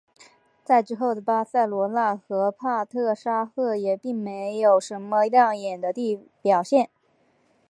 在之后的巴塞罗那和帕特沙赫也并没有什么亮眼的表现。